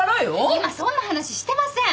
今そんな話してません。